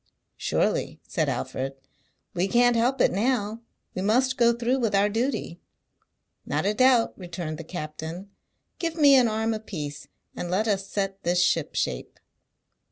"Surely," said Alfred, "we can't help it now. We must go through with our duty." "Not a doubt," returned the captain. "Give me an arm apiece, and let us set this ship shape."